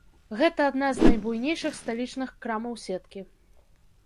Гэта адна з найбуйнейшых сталічных крамаў сеткі.